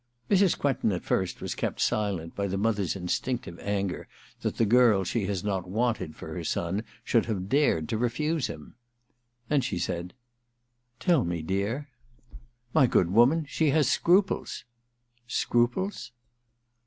Mrs. Quentin at first was kept silent by the mother's instinctive anger that the girl she has not wanted for her son should have dared to refuse him. Then she ssud :^ Tell me, dear.' * My good woman, she has scruples.' * Scruples